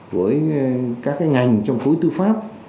với các ngành trong cối tư pháp